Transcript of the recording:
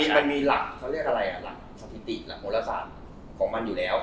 มันมีหลักเขาเรียกอะไรหลักสถิติหลักโหลศาสตร์ของมันอยู่แล้ว